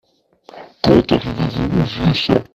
Quand arrivez-vous aux USA ?